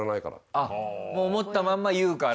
あっもう思ったまんま言うから。